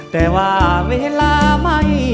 แต่ว่าเวลาไม่มีเวลา